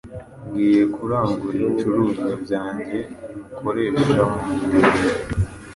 ngiye kurangura ibicuruzwa byanjye nkukoresha mu ngendo zanjye.